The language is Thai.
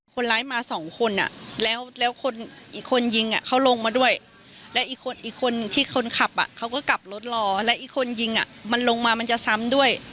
คนร้ายมาสองคนอ่ะแล้วคนอีกคนยิงเขาลงมาด้วยและอีกคนอีกคนที่คนขับเขาก็กลับรถรอและอีกคนยิงมันลงมามันจะซ้ำด้วย